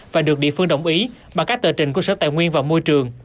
và được địa phương đồng ý bằng các tờ trình của sở tài nguyên và môi trường